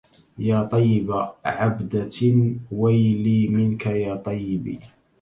يا طيب عبدة ويلي منك يا طيبي